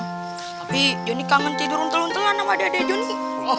tapi joni kangen tidur untel untelan sama adik adik joni